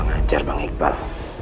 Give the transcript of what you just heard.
lang ajar bang iqbal